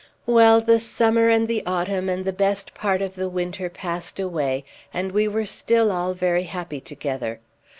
Well, the summer and the autumn and the best part of the winter passed away, and we were still all very happy together.